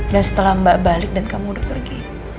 dan setelah mbak balik dan kamu udah pergi